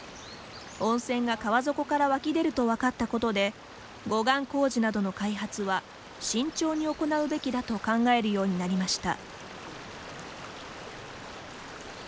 温泉が川底から湧き出ると分かったことで護岸工事などの開発は慎重に行うべきだと考えるようになりました。